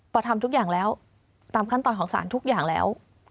พอทำทุกอย่างแล้วตามขั้นตอนของสารทุกอย่างแล้ว